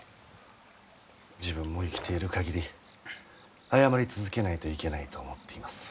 自分も生きている限り謝り続けないといけないと思っています。